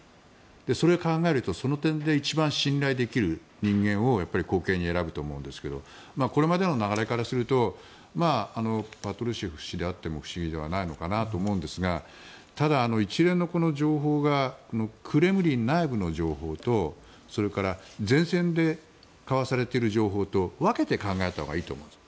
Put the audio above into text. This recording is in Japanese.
それを考えるとその点で一番信頼できる人間を後継に選ぶと思うんですがこれまでの流れからすればパトルシェフ氏であっても不思議ではないのかなと思うんですがただ、一連の情報がクレムリン内部の情報とそれから前線で交わされている情報と分けて考えたほうがいいと思うんです。